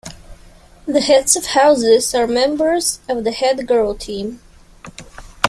The Heads of Houses are members of the Head Girl Team.